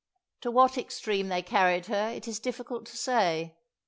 To what extreme they carried her it is difficult to say.